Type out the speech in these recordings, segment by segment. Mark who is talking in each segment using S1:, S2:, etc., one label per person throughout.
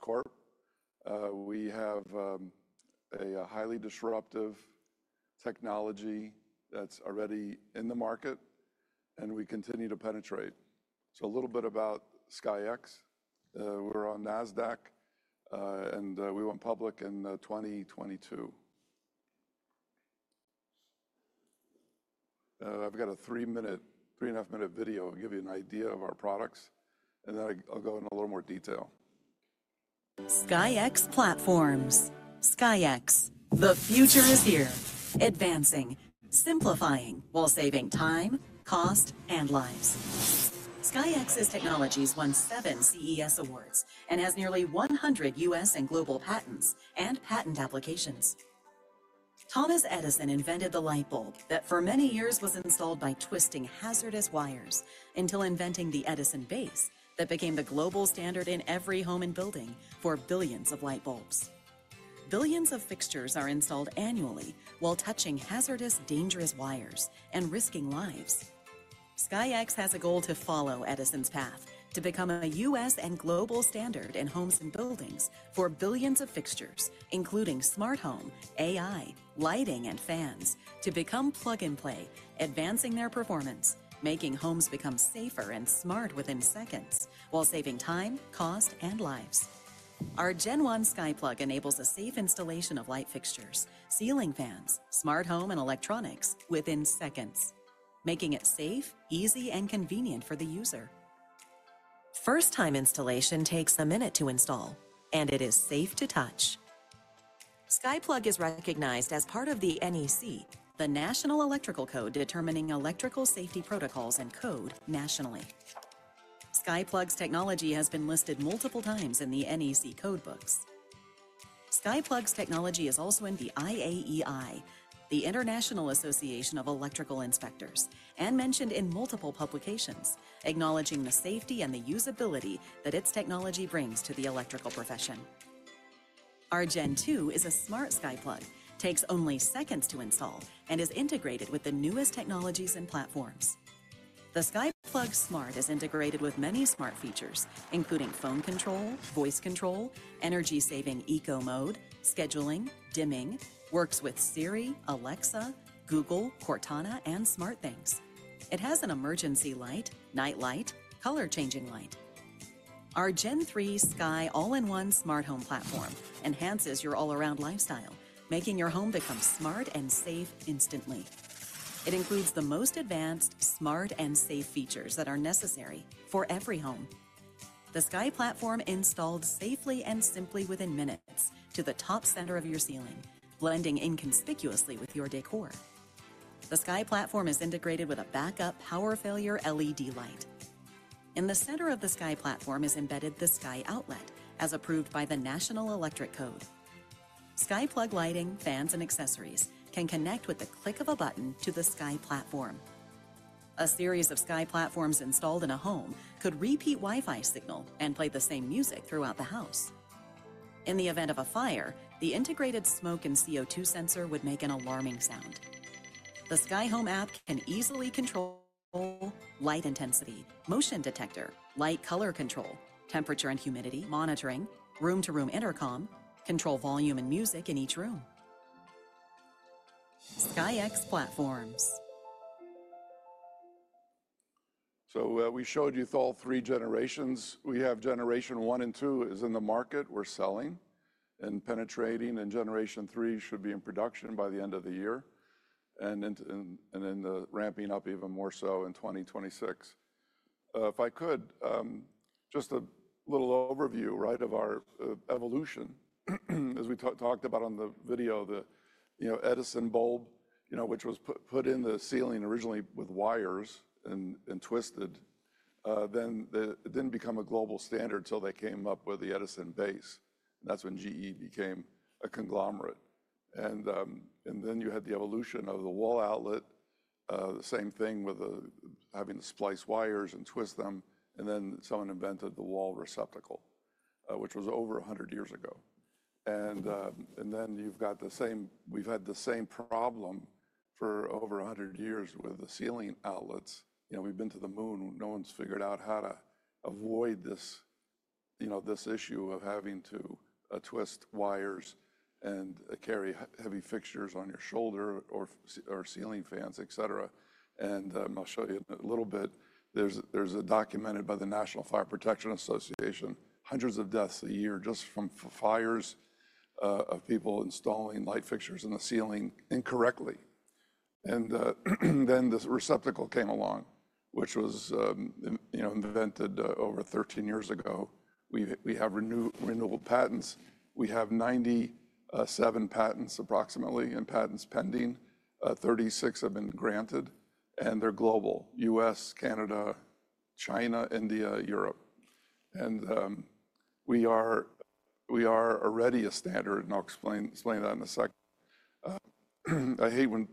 S1: Corp. We have a highly disruptive technology that's already in the market, and we continue to penetrate. A little bit about SKYX. We're on NASDAQ, and we went public in 2022. I've got a three-minute, three-and-a-half-minute video to give you an idea of our products, and then I'll go into a little more detail.
S2: SKYX Platforms. SKYX, the future is here. Advancing, simplifying, while saving time, cost, and lives. SKYX's technologies won seven CES awards and has nearly 100 U.S. and global patents and patent applications. Thomas Edison invented the light bulb that for many years was installed by twisting hazardous wires until inventing the Edison base that became the global standard in every home and building for billions of light bulbs. Billions of fixtures are installed annually while touching hazardous, dangerous wires and risking lives. SKYX has a goal to follow Edison's path to become a U.S. and global standard in homes and buildings for billions of fixtures, including smart home, AI, lighting, and fans, to become plug-and-play, advancing their performance, making homes become safer and smart within seconds while saving time, cost, and lives. Our Gen one SKYPlug enables a safe installation of light fixtures, ceiling fans, smart home, and electronics within seconds, making it safe, easy, and convenient for the user. First-time installation takes a minute to install, and it is safe to touch. SKYPlug is recognized as part of the NEC, the National Electrical Code determining electrical safety protocols and code nationally. SKYPlug's technology has been listed multiple times in the NEC code books. SKYPlug's technology is also in the IAEI, the International Association of Electrical Inspectors, and mentioned in multiple publications, acknowledging the safety and the usability that its technology brings to the electrical profession. Our Gen two is a smart SKYPlug, takes only seconds to install, and is integrated with the newest technologies and platforms. The SKYPlug Smart is integrated with many smart features, including phone control, voice control, energy-saving eco mode, scheduling, dimming, works with Siri, Alexa, Google, Cortana, and SmartThings. It has an emergency light, night light, color-changing light. Our Gen three SKY all-in-one smart home platform enhances your all-around lifestyle, making your home become smart and safe instantly. It includes the most advanced, smart, and safe features that are necessary for every home. The SKY platform installed safely and simply within minutes to the top center of your ceiling, blending inconspicuously with your decor. The SKY platform is integrated with a backup power failure LED light. In the center of the SKY platform is embedded the SKY outlet, as approved by the National Electrical Code. SKYPlug lighting, fans, and accessories can connect with the click of a button to the SKY Platform. A series of SKY Platforms installed in a home could repeat Wi-Fi signal and play the same music throughout the house. In the event of a fire, the integrated smoke and CO2 sensor would make an alarming sound. The SKY Home app can easily control light intensity, motion detector, light color control, temperature and humidity monitoring, room-to-room intercom, control volume and music in each room. SKYX Platforms.
S1: We showed you all three generations. We have Generation one and two is in the market. We're selling and penetrating, and Generation three should be in production by the end of the year, and then ramping up even more so in 2026. If I could, just a little overview, right, of our evolution. As we talked about on the video, the, you know, Edison bulb, you know, which was put in the ceiling originally with wires and twisted, then it did not become a global standard till they came up with the Edison base. That is when GE became a conglomerate. And then you had the evolution of the wall outlet, the same thing with the having to splice wires and twist them, and then someone invented the wall receptacle, which was over one hundred years ago. And then you've got the same, we've had the same problem for over a hundred years with the ceiling outlets. You know, we've been to the moon, no one's figured out how to avoid this, you know, this issue of having to twist wires and carry heavy fixtures on your shoulder or ceiling fans, et cetera. I'll show you a little bit. There's, there's a documented by the National Fire Protection Association, hundreds of deaths a year just from fires, of people installing light fixtures in the ceiling incorrectly. Then this receptacle came along, which was, you know, invented over 13 years ago. We have renewable patents. We have 97 patents approximately and patents pending. Thirty-six have been granted, and they're global: U.S., Canada, China, India, Europe. We are already a standard, and I'll explain, explain that in a second. I hate when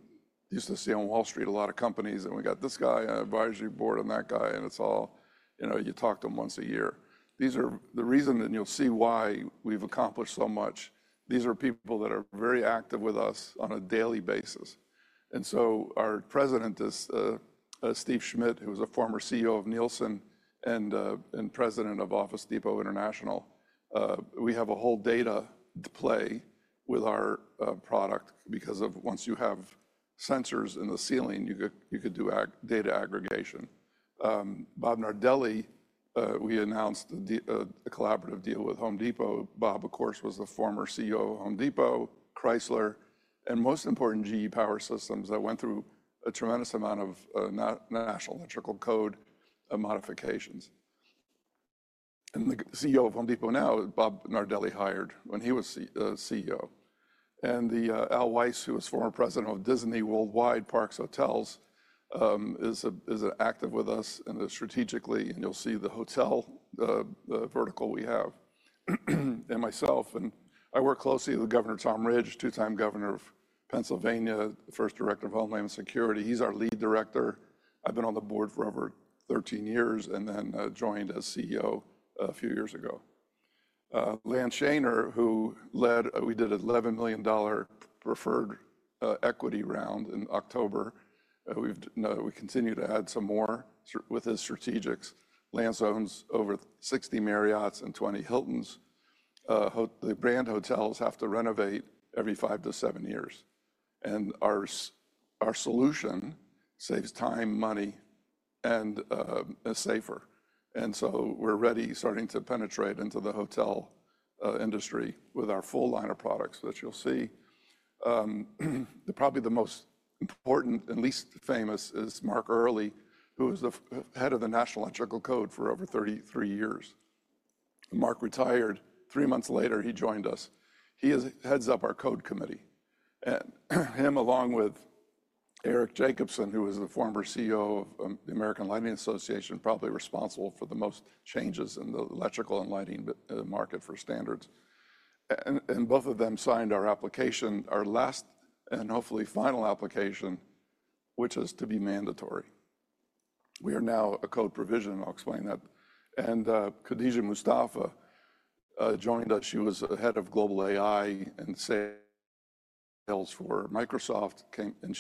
S1: I used to see on Wall Street a lot of companies, and we got this guy, an advisory board, and that guy, and it's all, you know, you talk to them once a year. These are the reason, and you'll see why we've accomplished so much. These are people that are very active with us on a daily basis. Our President is Steve Schmidt, who was a former CEO of Nielsen and President of Office Depot International. We have a whole data play with our product because once you have sensors in the ceiling, you could do data aggregation. Bob Nardelli, we announced a collaborative deal with Home Depot. Bob, of course, was a former CEO of Home Depot. Chrysler, and most importantly, GE Power Systems that went through a tremendous amount of national electrical code modifications. The CEO of Home Depot now is Bob Nardelli, hired when he was CEO. Al Weiss, who was former president of Disney Worldwide Parks and Hotels, is active with us and is strategically, and you'll see the hotel vertical we have. Myself, I work closely with Governor Tom Ridge, two-time governor of Pennsylvania, first director of Homeland Security. He's our lead director. I've been on the board for over 13 years and then joined as CEO a few years ago. Lan Shaner, who led, we did an $11 million preferred equity round in October. We continue to add some more with his strategics. Lan owns over 60 Marriotts and 20 Hiltons. The brand hotels have to renovate every five to seven years. Our solution saves time, money, and is safer. We're ready, starting to penetrate into the hotel industry with our full line of products that you'll see. Probably the most important, at least famous, is Mark Early, who was the head of the National Electrical Code for over 33 years. Mark retired. Three months later, he joined us. He heads up our code committee. And him, along with Eric Jacobson, who is the former CEO of the American Lighting Association, probably responsible for the most changes in the electrical and lighting market for standards. Both of them signed our application, our last and hopefully final application, which is to be mandatory. We are now a code provision. I'll explain that. Khadija Mustafa joined us. She was head of global AI and sales for Microsoft. Came, and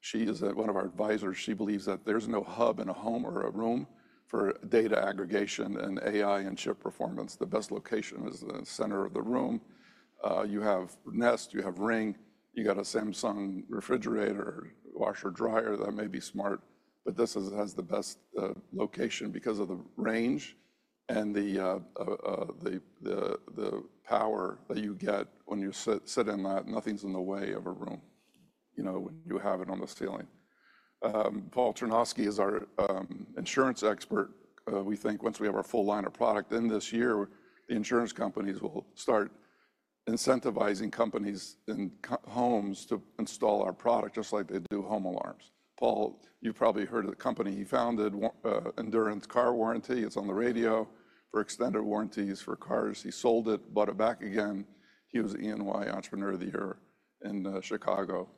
S1: she is one of our advisors. She believes that there's no hub in a home or a room for data aggregation and AI and chip performance. The best location is the center of the room. You have Nest, you have Ring, you got a Samsung refrigerator, washer, dryer that may be smart, but this has the best location because of the range and the power that you get when you sit in that. Nothing's in the way of a room. You know, you have it on the ceiling. Paul Ternowski is our insurance expert. We think once we have our full line of product in this year, the insurance companies will start incentivizing companies in co-homes to install our product just like they do home alarms. Paul, you've probably heard of the company he founded, Endurance Car Warranty. It's on the radio. We're extended warranties for cars. He sold it, bought it back again. He was the E&Y Entrepreneur of the Year in Chicago.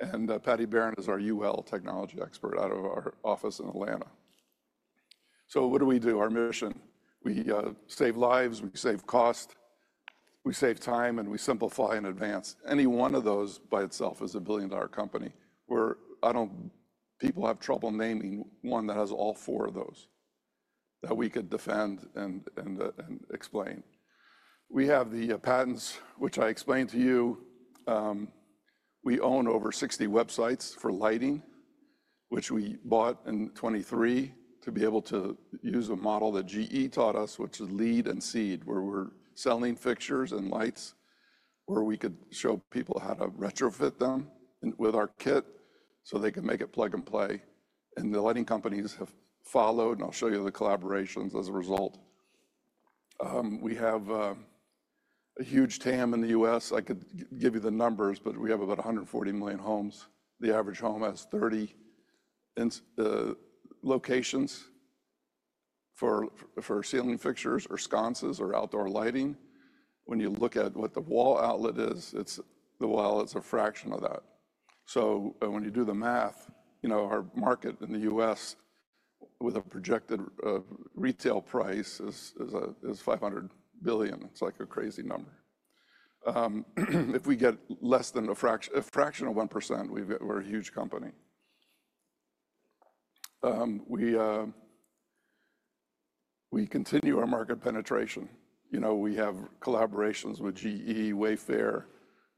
S1: And Patty Baron is our UL technology expert out of our office in Atlanta. What do we do? Our mission, we save lives, we save cost, we save time, and we simplify and advance. Any one of those by itself is a billion-dollar company. I don't, people have trouble naming one that has all four of those that we could defend and explain. We have the patents, which I explained to you. We own over 60 websites for lighting, which we bought in 2023 to be able to use a model that GE taught us, which is lead and seed, where we're selling fixtures and lights where we could show people how to retrofit them with our kit so they could make it plug and play. The lighting companies have followed, and I'll show you the collaborations as a result. We have a huge TAM in the U.S. I could give you the numbers, but we have about 140 million homes. The average home has 30 locations for ceiling fixtures or sconces or outdoor lighting. When you look at what the wall outlet is, it's the wall, it's a fraction of that. When you do the math, you know, our market in the U.S. with a projected retail price is $500 billion. It's like a crazy number. If we get less than a fraction, a fraction of 1%, we're a huge company. We continue our market penetration. You know, we have collaborations with GE, Wayfair,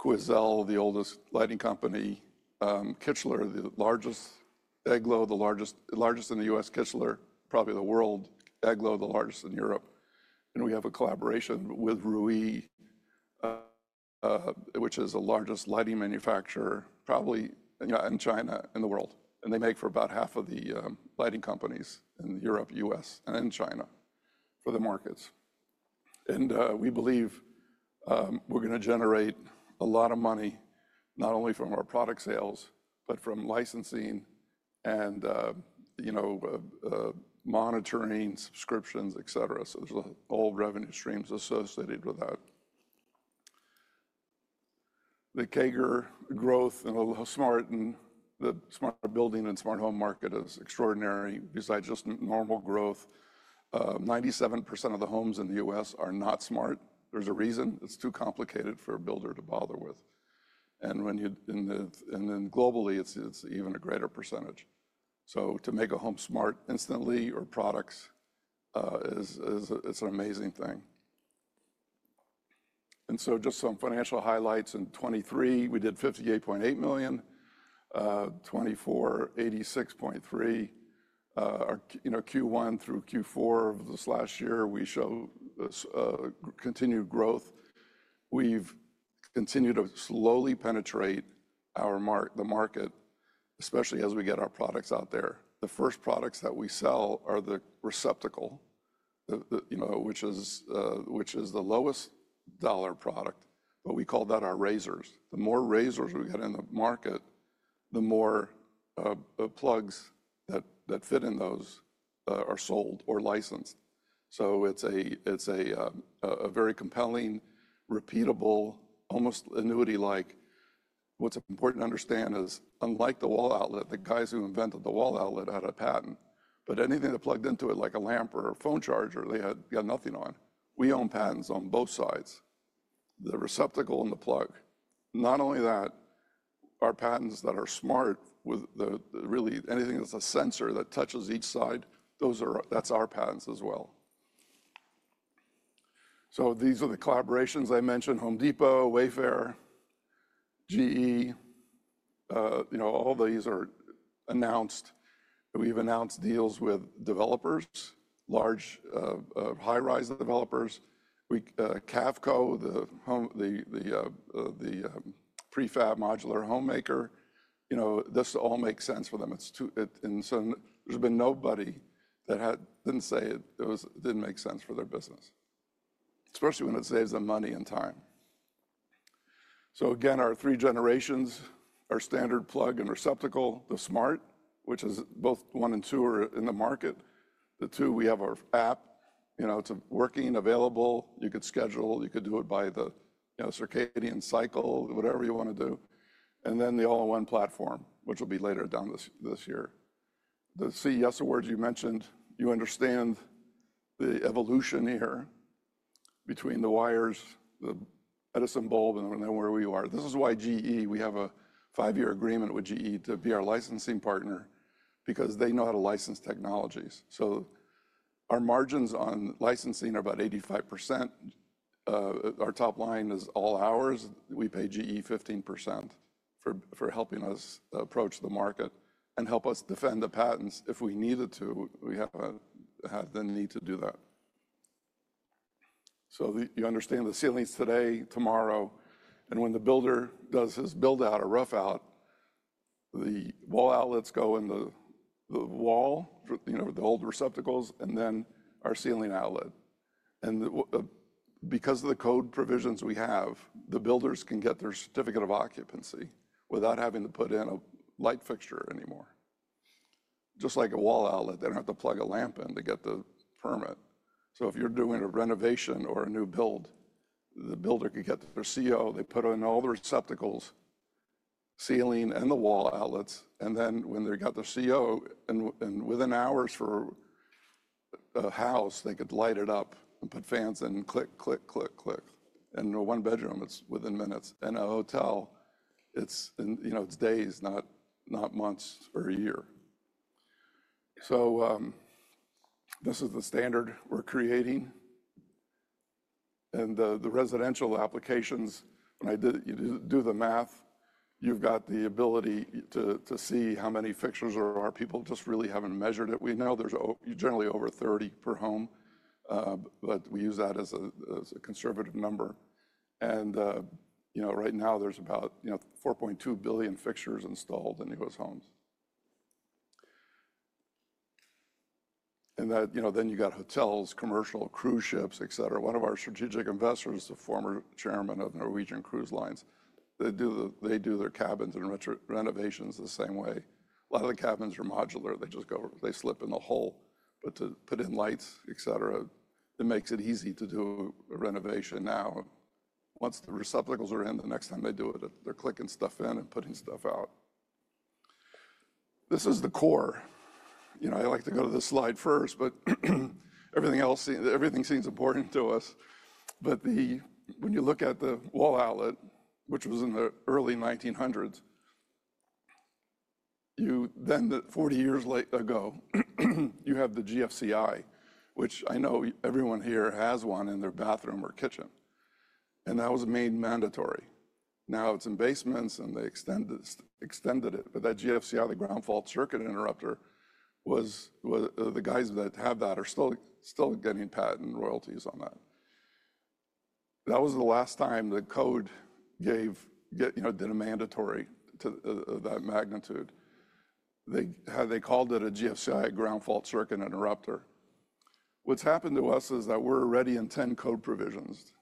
S1: Quoizel, the oldest lighting company. Kichler, the largest, Eglo, the largest, largest in the U.S., Kichler, probably the world, Eglo, the largest in Europe. We have a collaboration with Rui, which is the largest lighting manufacturer, probably, you know, in China and the world. They make for about half of the lighting companies in Europe, U.S., and in China for the markets. We believe we're gonna generate a lot of money not only from our product sales, but from licensing and, you know, monitoring, subscriptions, et cetera. There are whole revenue streams associated with that. The CAGR growth and a little smart and the smart building and smart home market is extraordinary besides just normal growth. 97% of the homes in the U.S. are not smart. There's a reason. It's too complicated for a builder to bother with. When you, and then globally, it's even a greater percentage. To make a home smart instantly or products, is, is, it's an amazing thing. Just some financial highlights in 2023, we did $58.8 million, 2024, $86.3 million. Our, you know, Q1 through Q4 of this last year, we show this continued growth. We've continued to slowly penetrate our mark, the market, especially as we get our products out there. The first products that we sell are the receptacle, the, the, you know, which is, which is the lowest dollar product, but we call that our razors. The more razors we get in the market, the more plugs that fit in those are sold or licensed. It's a very compelling, repeatable, almost annuity-like. What's important to understand is unlike the wall outlet, the guys who invented the wall outlet had a patent, but anything that plugged into it, like a lamp or a phone charger, they got nothing on. We own patents on both sides, the receptacle and the plug. Not only that, our patents that are smart with the, really anything that's a sensor that touches each side, those are our patents as well. These are the collaborations I mentioned: Home Depot, Wayfair, GE, you know, all these are announced. We've announced deals with developers, large, high-rise developers. Kafco, the prefab modular homemaker, you know, this all makes sense for them. It's too, and there's been nobody that didn't say it didn't make sense for their business, especially when it saves them money and time. Again, our three generations, our standard plug and receptacle, the smart, which is both one and two are in the market. The two, we have our app, you know, it's working, available, you could schedule, you could do it by the, you know, circadian cycle, whatever you wanna do. The all-in-one platform, which will be later down this year. The CES awards you mentioned, you understand the evolution here between the wires, the Edison bulb, and then where we are. This is why GE, we have a five-year agreement with GE to be our licensing partner because they know how to license technologies. Our margins on licensing are about 85%. Our top line is all ours. We pay GE 15% for helping us approach the market and help us defend the patents if we needed to. We have had the need to do that. You understand the ceilings today, tomorrow, and when the builder does his build-out or rough-out, the wall outlets go in the wall for, you know, the old receptacles and then our ceiling outlet. Because of the code provisions we have, the builders can get their certificate of occupancy without having to put in a light fixture anymore. Just like a wall outlet, they do not have to plug a lamp in to get the permit. If you are doing a renovation or a new build, the builder could get their CO, they put in all the receptacles, ceiling, and the wall outlets. When they got their CO, and within hours for a house, they could light it up and put fans in and click, click, click, click. In one bedroom, it is within minutes. A hotel, it's, and you know, it's days, not months or a year. This is the standard we're creating. The residential applications, when I did, you do the math, you've got the ability to see how many fixtures there are. People just really haven't measured it. We know there's generally over 30 per home, but we use that as a conservative number. Right now there's about 4.2 billion fixtures installed in U.S. homes. Then you got hotels, commercial, cruise ships, et cetera. One of our strategic investors is a former chairman of Norwegian Cruise Lines. They do their cabins and retro renovations the same way. A lot of the cabins are modular. They just go, they slip in the hole, but to put in lights, et cetera, it makes it easy to do a renovation now. Once the receptacles are in, the next time they do it, they're clicking stuff in and putting stuff out. This is the core. You know, I like to go to the slide first, but everything else, everything seems important to us. When you look at the wall outlet, which was in the early 1900s, then 40 years later, you had the GFCI, which I know everyone here has one in their bathroom or kitchen. That was made mandatory. Now it's in basements and they extended it. That GFCI, the ground fault circuit interrupter, the guys that have that are still getting patent royalties on that. That was the last time the code gave, you know, did a mandatory to that magnitude. They had, they called it a GFCI, ground fault circuit interrupter. What's happened to us is that we're already in 10 code provisions,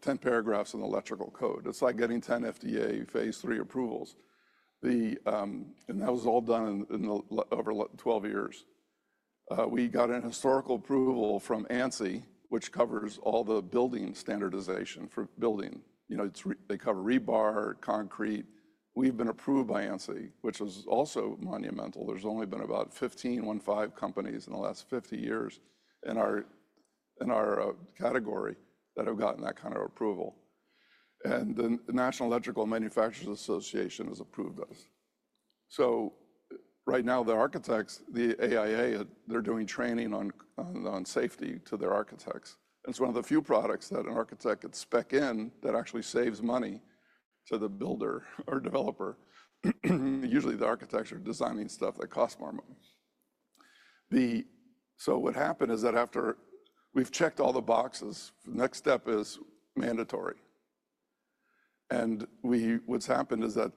S1: 10 paragraphs in the electrical code. It's like getting 10 FDA phase three approvals. That was all done in the over 12 years. We got an historical approval from ANSI, which covers all the building standardization for building. You know, they cover rebar, concrete. We've been approved by ANSI, which was also monumental. There's only been about 15 companies in the last 50 years in our category that have gotten that kind of approval. The National Electrical Manufacturers Association has approved us. Right now the architects, the AIA, they're doing training on safety to their architects. It's one of the few products that an architect could spec in that actually saves money to the builder or developer. Usually the architects are designing stuff that costs more money. What happened is that after we've checked all the boxes, the next step is mandatory. What's happened is that,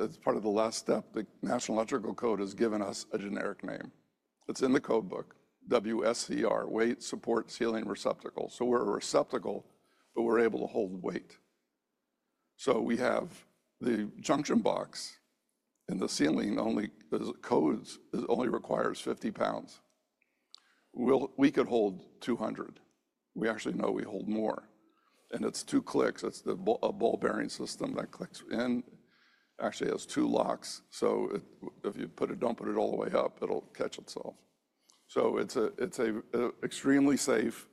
S1: as part of the last step, the National Electrical Code has given us a generic name that's in the code book, WSCR, Weight Support Ceiling Receptacle. So we're a receptacle, but we're able to hold weight. We have the junction box in the ceiling only, the codes only require 50 pounds. We could hold 200. We actually know we hold more. It's two clicks. It's the ball bearing system that clicks in, actually has two locks. If you don't put it all the way up, it'll catch itself. It's extremely safe.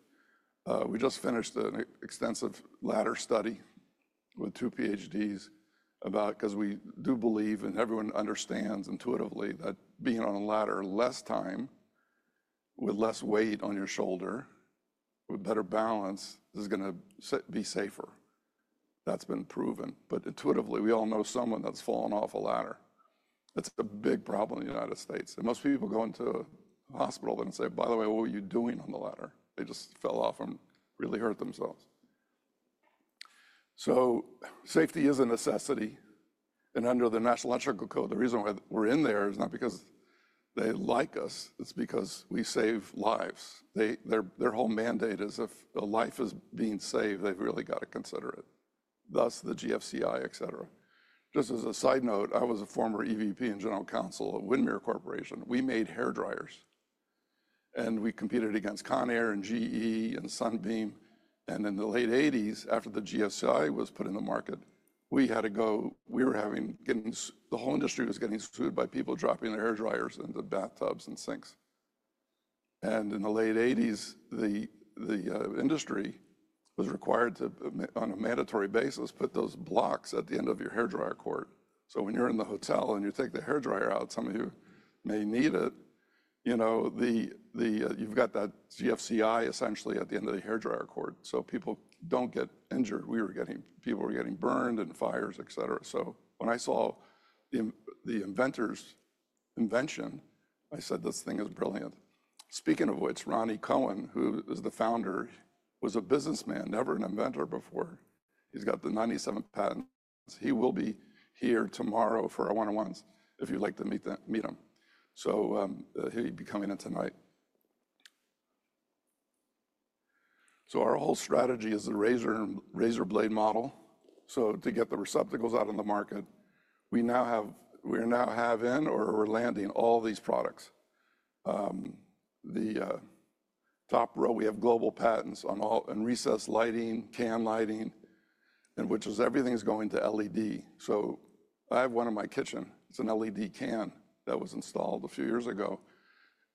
S1: We just finished an extensive ladder study with two PhDs about, 'cause we do believe and everyone understands intuitively that being on a ladder less time with less weight on your shoulder with better balance is gonna be safer. That's been proven. Intuitively, we all know someone that's fallen off a ladder. That's a big problem in the United States. Most people go into a hospital and say, by the way, what were you doing on the ladder? They just fell off and really hurt themselves. Safety is a necessity. Under the National Electrical Code, the reason why we're in there is not because they like us, it's because we save lives. Their whole mandate is if a life is being saved, they've really gotta consider it. Thus the GFCI, et cetera. Just as a side note, I was a former EVP and General Counsel at Windmere Corporation. We made hair dryers and we competed against Conair and GE and Sunbeam. In the late eighties, after the GFCI was put in the market, we had to go, we were having, getting the whole industry was getting sued by people dropping their hair dryers into bathtubs and sinks. In the late eighties, the industry was required to, on a mandatory basis, put those blocks at the end of your hair dryer cord. When you're in the hotel and you take the hair dryer out, some of you may need it. You know, you've got that GFCI essentially at the end of the hair dryer cord so people don't get injured. We were getting, people were getting burned and fires, et cetera. When I saw the inventor's invention, I said, this thing is brilliant. Speaking of which, Rani Kohen, who is the founder, was a businessman, never an inventor before. He's got the 97th patent. He will be here tomorrow one-on-ones if you'd like to meet him. He'll be coming in tonight. Our whole strategy is the razor, razor blade model. To get the receptacles out in the market, we now have, we're now having or we're landing all these products. The top row, we have global patents on all and recessed lighting, can lighting, and which is everything's going to LED. I have one in my kitchen. It's an LED can that was installed a few years ago.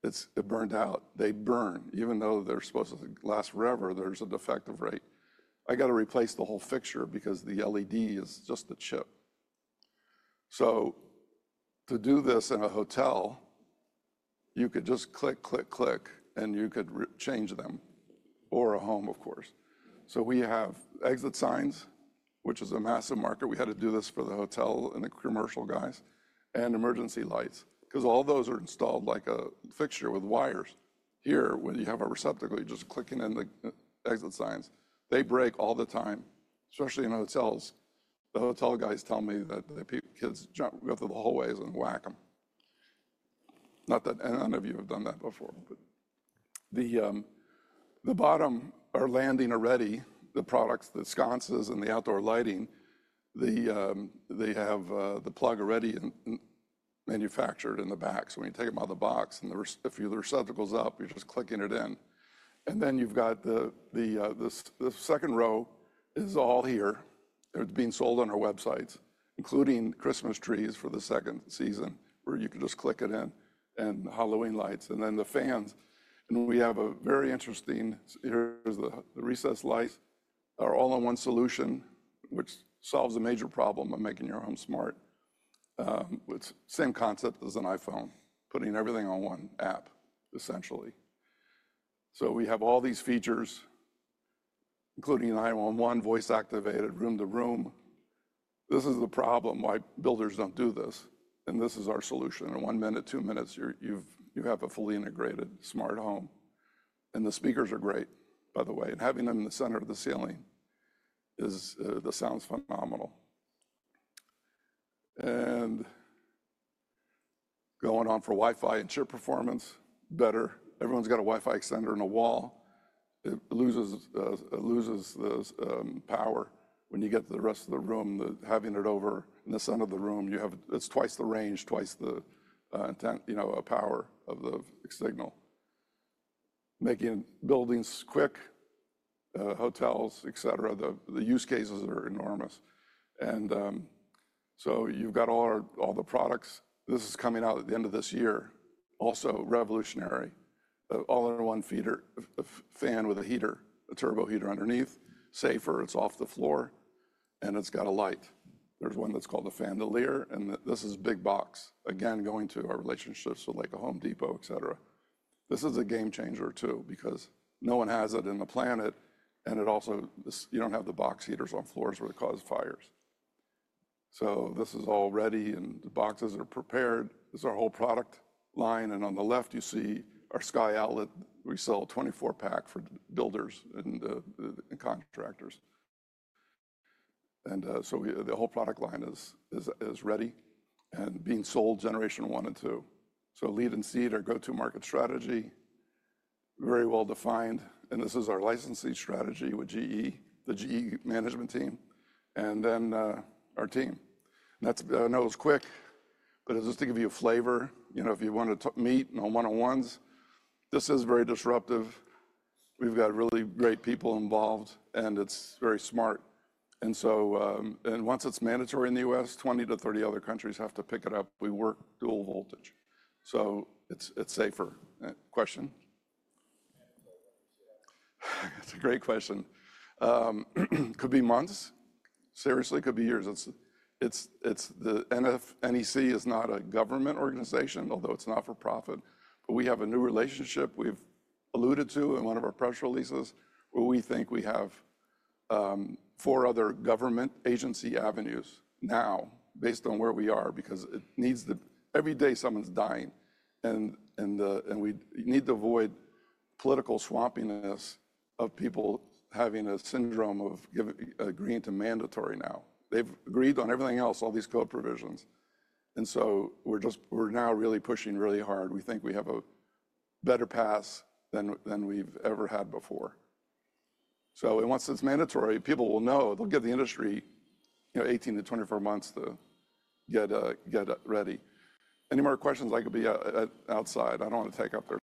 S1: It burned out. They burn even though they're supposed to last forever. There's a defective rate. I gotta replace the whole fixture because the LED is just a chip. To do this in a hotel, you could just click, click, click, and you could change them or a home, of course. We have exit signs, which is a massive market. We had to do this for the hotel and the commercial guys and emergency lights, 'cause all those are installed like a fixture with wires here. When you have a receptacle, you're just clicking in the exit signs. They break all the time, especially in hotels. The hotel guys tell me that the people, kids jump up to the hallways and whack 'em. Not that any of you have done that before, but the bottom are landing already. The products, the sconces and the outdoor lighting, they have the plug already manufactured in the back. When you take 'em out of the box and there's a few of the receptacles up, you're just clicking it in. Then you've got the second row is all here. It's being sold on our websites, including Christmas trees for the second season where you can just click it in and Halloween lights. Then the fans. We have a very interesting, here's the recessed lights are all in one solution, which solves a major problem of making your home smart. It's the same concept as an iPhone, putting everything on one app, essentially. We have all these features, including the iPhone one, voice activated, room to room. This is the problem why builders don't do this. This is our solution. In one minute, two minutes, you have a fully integrated smart home. The speakers are great, by the way. Having them in the center of the ceiling is, the sound's phenomenal. Going on for Wi-Fi and sheer performance, better. Everyone's got a Wi-Fi extender in a wall. It loses, loses the power when you get to the rest of the room. Having it over in the center of the room, you have, it's twice the range, twice the, intent, you know, a power of the signal, making buildings quick, hotels, et cetera. The use cases are enormous. You've got all our, all the products. This is coming out at the end of this year. Also revolutionary. The all-in-one feeder, a fan with a heater, a turbo heater underneath, safer. It's off the floor and it's got a light. There's one that's called the fan heater. This is a big box again, going to our relationships with like a Home Depot, et cetera. This is a game changer too because no one has it in the planet. It also is, you do not have the box heaters on floors where it causes fires. This is all ready and the boxes are prepared. This is our whole product line. On the left, you see our SKY Outlet. We sell 24 pack for builders and contractors. The whole product line is ready and being sold generation one and two. Lead and seed are go-to market strategy, very well defined. This is our licensing strategy with GE, the GE management team. Our team. I know it was quick, but it is just to give you a flavor.
S3: You know, if you wanted to one-on-ones, this is very disruptive. We've got really great people involved and it's very smart. Once it's mandatory in the U.S., 20 to 30 other countries have to pick it up. We work dual voltage, so it's safer. Question? It's a great question. Could be months. Seriously, could be years. The NF NEC is not a government organization, although it's not for profit, but we have a new relationship we've alluded to in one of our press releases where we think we have four other government agency avenues now based on where we are because it needs the, every day someone's dying. We need to avoid political swampiness of people having a syndrome of giving agreeing to mandatory now. They've agreed on everything else, all these code provisions. We're just, we're now really pushing really hard. We think we have a better pass than we've ever had before. Once it's mandatory, people will know, they'll get the industry, you know, 18 to 24 months to get ready. Any more questions? I could be outside. I don't want to take up their time.